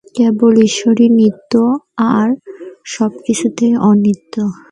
কেবল ঈশ্বরই নিত্য, আর সবকিছুই অনিত্য।